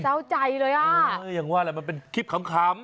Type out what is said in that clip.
เศร้าใจเลยอ่ะเอออย่างว่าแหละมันเป็นคลิปขำ